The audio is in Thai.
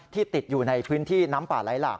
ติดอยู่ในพื้นที่น้ำป่าไหลหลาก